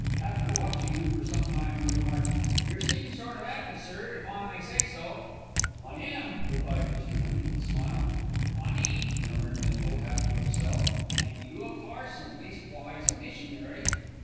After watching him for some time, he remarked: "Yer seem sort of 'appy, sir, if I may say so." "I am," replied Mr. Winch with a smile. "Funny," murmured Bindle, half to himself, "an' you a parson, leastwise a missionary."